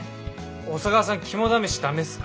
小佐川さん肝試しダメっすか？